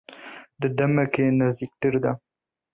Di demeke nêzîktir de.